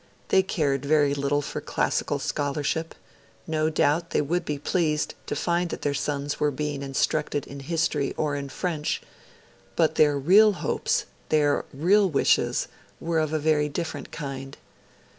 They cared very little for classical scholarship; no doubt they would be pleased to find that their sons were being instructed in history or in French; but their real hopes, their real wishes, were of a very different kind.